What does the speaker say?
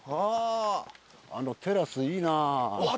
あのテラスいいな。